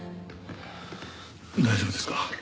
大丈夫ですか？